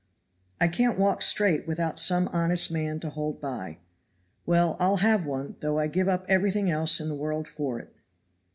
I can't walk straight without some honest man to hold by. Well, I'll have one, though I give up everything else in the world for it."